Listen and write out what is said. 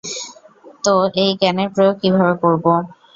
তো, এই জ্ঞানের প্রয়োগ কীভাবে করব?